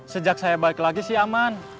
sejak saya balik lagi sih aman